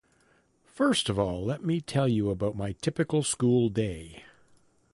First of all, let me tell you about my typical school day.